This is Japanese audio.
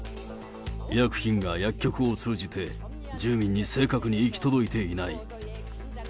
医薬品が薬局を通じて住民に正確に行き届いていない。